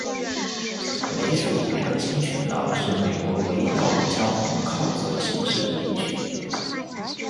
美属维尔京群岛是美国唯一道路交通靠左行驶的地区。